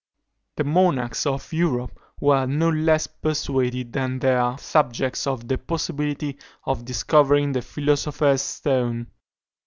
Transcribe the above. The monarchs of Europe were no less persuaded than their subjects of the possibility of discovering the philosopher's stone.